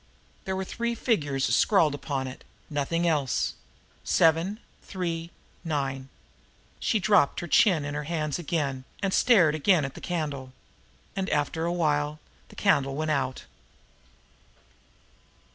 There were three figures scrawled upon it nothing else. 7 3 9 She dropped her chin in her hands again, and stared again at the candle. And after a while the candle went out.